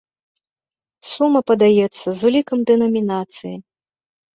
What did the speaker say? Сума падаецца з улікам дэнамінацыі.